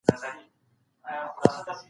نفاق د کمزورۍ نښه ده.